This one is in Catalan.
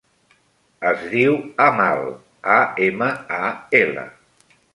Es diu Amal: a, ema, a, ela.